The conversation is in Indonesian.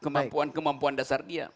kemampuan kemampuan dasar dia